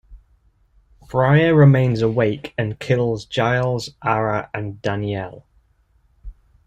Bryagh remains awake and kills Giles, Aragh, and Danielle.